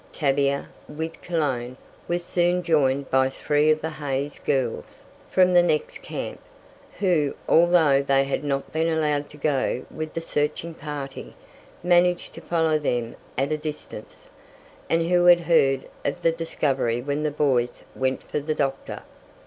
Tavia, with Cologne, was soon joined by three of the Hays girls, from the next camp, who, although they had not been allowed to go with the searching party, managed to follow them at a distance, and who had heard of the discovery when the boys went for the doctor.